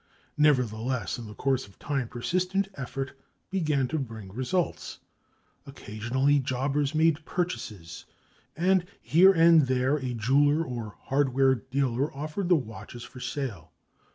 Nevertheless, in the course of time, persistent effort began to bring results. Occasionally jobbers made purchases, and here and there a jeweler or hardware dealer offered the watches for sale.